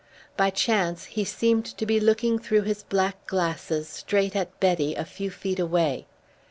By chance he seemed to be looking through his black glasses straight at Betty a few feet away.